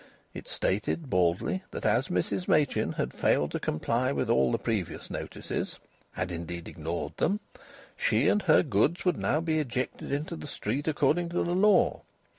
It stated, baldly, that as Mrs Machin had failed to comply with all the previous notices, had, indeed, ignored them, she and her goods would now be ejected into the street, according to the law.